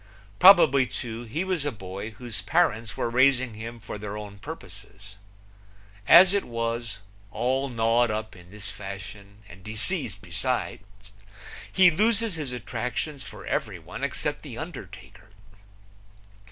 Probably, too, he was a boy whose parents were raising him for their own purposes. As it is, all gnawed up in this fashion and deceased besides, he loses his attractions for everyone except the undertaker.